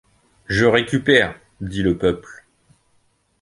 Je récupère, dit le peuple.